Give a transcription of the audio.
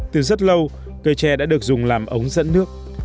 từ rất lâu cây tre đã được dùng làm ống dẫn nước